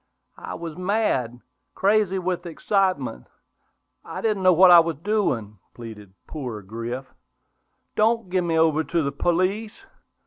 "I was mad, crazy with excitement; I didn't know what I was doing," pleaded "poor Griff." "Don't give me over to the police!